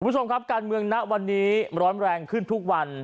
คุณผู้ชมครับการเมืองณวันนี้ร้อนแรงขึ้นทุกวัน